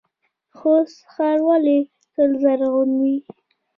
خوست ښار ولې تل زرغون وي؟